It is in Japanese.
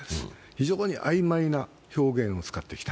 非常に曖昧な表現を使ってきた。